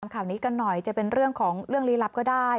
ข่าวนี้กันหน่อยจะเป็นเรื่องของเรื่องลี้ลับก็ได้